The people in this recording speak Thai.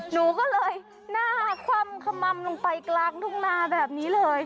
หนูก็เลยหน้าคว่ำขมัมลงไปกลางทุ่งนาแบบนี้เลย